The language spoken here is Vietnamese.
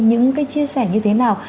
những cái chia sẻ như thế nào